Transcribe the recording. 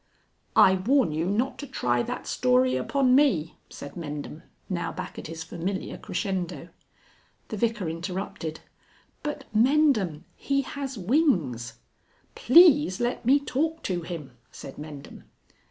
"I warn you not to try that story upon me," said Mendham, now back at his familiar crescendo. The Vicar interrupted: "But Mendham he has wings!" "Please let me talk to him," said Mendham.